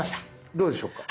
どうでしょうか。